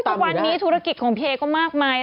ทุกวันนี้ธุรกิจของพี่เอก็มากมาย